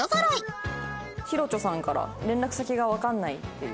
ヒロチョさんから「連絡先がわかんない」っていう。